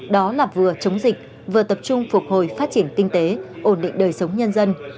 đó là vừa chống dịch vừa tập trung phục hồi phát triển kinh tế ổn định đời sống nhân dân